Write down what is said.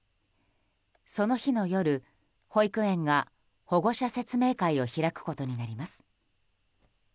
その日の夜、保育園が保護者説明会を開くことになります。